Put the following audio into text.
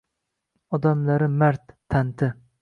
Odamlari mard, tanti.